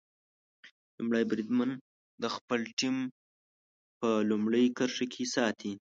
لومړی بریدمن د خپله ټیم په لومړۍ کرښه کې ساتي.